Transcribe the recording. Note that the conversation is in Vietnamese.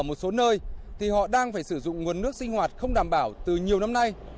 ở một số nơi thì họ đang phải sử dụng nguồn nước sinh hoạt không đảm bảo từ nhiều năm nay